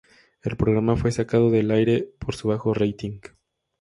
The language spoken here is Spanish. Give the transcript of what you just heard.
El programa fue sacado del aire por su bajo rating.